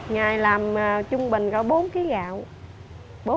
ngày làm trung bình có bốn ký gạo